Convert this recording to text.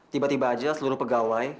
tiba tiba aja seluruh pegawai